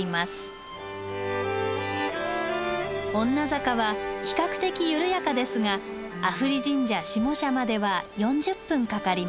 女坂は比較的緩やかですが阿夫利神社下社までは４０分かかります。